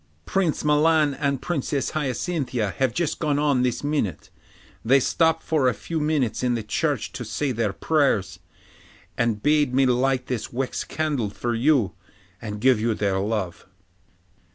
'Prince Milan and Princess Hyacinthia have just gone on this minute; they stopped for a few minutes in the church to say their prayers, and bade me light this wax candle for you, and give you their love.